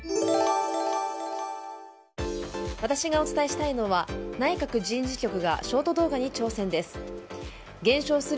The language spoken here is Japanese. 私がお伝えしたいのは内閣人事局がショート動画に挑戦です。